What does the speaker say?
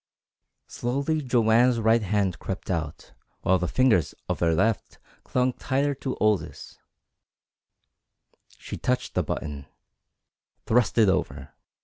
Slowly Joanne's right hand crept out, while the fingers of her left clung tighter to Aldous. She touched the button thrust it over.